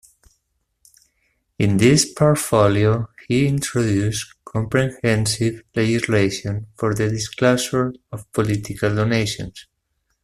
In this portfolio he introduced comprehensive legislation for the disclosure of political donations.